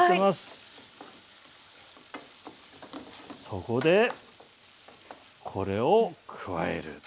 そこでこれを加える。